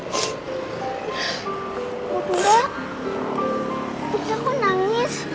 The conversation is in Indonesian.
kita kan ke jakarta untuk menemukan ibu kandung bening